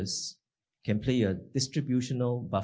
dengan mencapai beberapa objektif